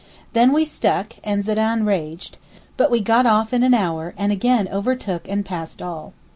Then we stuck, and Zedan raged; but we got off in an hour and again overtook and passed all.